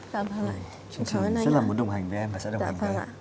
chương trình rất là muốn đồng hành với em và sẽ đồng hành với em